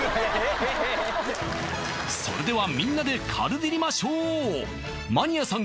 それではみんなでカルディりましょうマニアさん